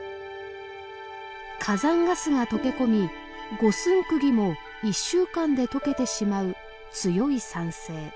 火山ガスが溶け込み五寸くぎも１週間で溶けてしまう強い酸性。